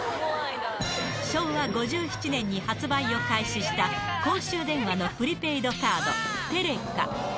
昭和５７年に発売を開始した公衆電話のプリペイドカード、テレカ。